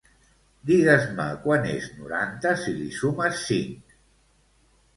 Digues-me quant és noranta si li sumes cinc.